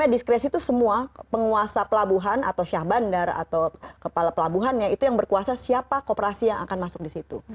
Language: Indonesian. diskresi itu semua penguasa pelabuhan atau syah bandar atau kepala pelabuhannya itu yang berkuasa siapa kooperasi yang akan masuk di situ